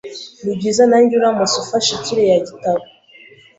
Nibyiza nanjye uramutse ufashe kiriya gitabo .